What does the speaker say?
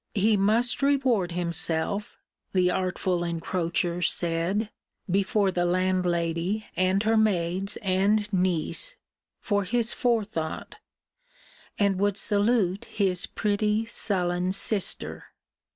He must reward himself, the artful encroacher said, before the landlady and her maids and niece, for his forethought; and would salute his pretty sullen sister!